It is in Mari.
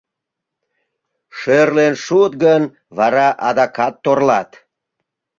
Шӧрлен шуыт гын, вара адакат торлат.